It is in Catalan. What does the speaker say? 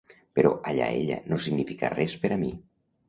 Però ara ella no significa res per a mi.